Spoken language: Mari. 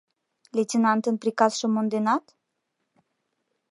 Лейтенантын приказшым монденат?